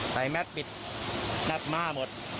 ใส่แมดปิดหน้าปรุงมาหมด